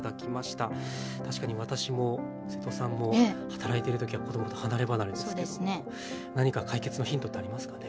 確かに私も瀬戸さんも働いてる時は子どもと離れ離れですけども何か解決のヒントってありますかね。